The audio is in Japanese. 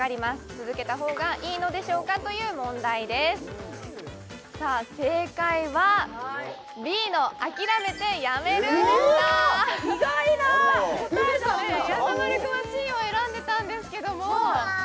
続けた方がいいのでしょうか？という問題ですさあ正解はＢの諦めてやめるでした意外な答えだったあららやさ丸くんはＣを選んでたんですけどもボワー！